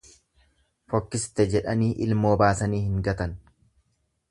Fokkiste jedhanii ilmoo baasanii hin gatan.